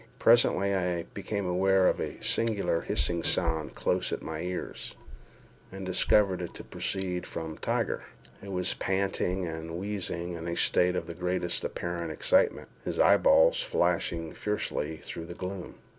Presently I became aware of a singular hissing sound close at my ears, and discovered it to proceed from Tiger, who was panting and wheezing in a state of the greatest apparent excitement, his eyeballs flashing fiercely through the gloom.